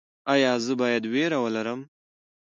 ایا زه باید ویره ولرم؟